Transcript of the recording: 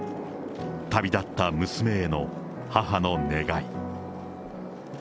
旅立った娘への母の願い。